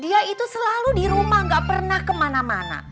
dia itu selalu di rumah gak pernah kemana mana